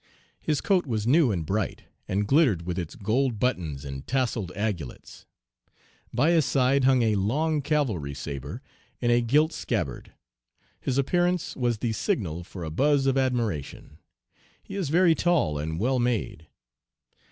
His coat was new and bright, and glittered with its gold buttons and tasselled aigulets. By his side hung a long cavalry sabre in a gilt scabbard. His appearance was the signal for a buzz of admiration. He is very tall and well made.